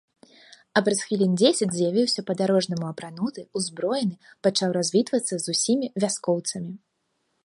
А праз хвілін дзесяць з'явіўся па-дарожнаму апрануты, узброены, пачаў развітвацца з усімі вяскоўцамі.